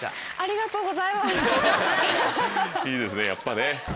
いいですねやっぱね。